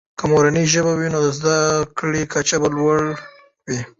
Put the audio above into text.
که مورنۍ ژبه وي، نو د زده کړې کچه به لوړه وي.